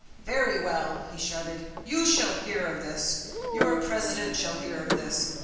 "Very well!" he shouted, "you shall hear of this! Your president shall hear of this!